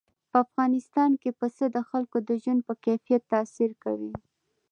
په افغانستان کې پسه د خلکو د ژوند په کیفیت تاثیر کوي.